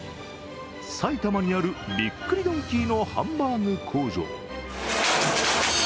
埼玉にある、びっくりドンキーのハンバーグ工場。